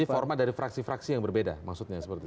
jadi format dari fraksi fraksi yang berbeda maksudnya seperti itu